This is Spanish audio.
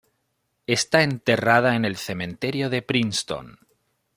Está enterrada en el cementerio de Princeton.